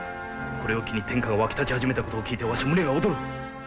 これを機に天下は沸き立ち始めたことを聞いてわしは胸が躍る！